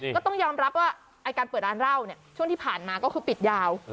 ก็ต้องยอมรับว่าการเปิดร้านเหล้าเนี่ยช่วงที่ผ่านมาก็คือปิดยาว